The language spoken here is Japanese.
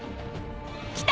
来た！